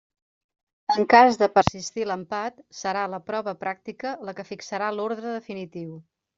En cas de persistir l'empat, serà la prova pràctica la que fixarà l'ordre definitiu.